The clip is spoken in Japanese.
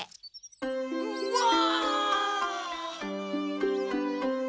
うわ！